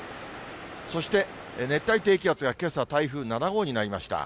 そして、熱帯低気圧がけさ、台風７号になりました。